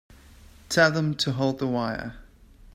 Tell them to hold the wire.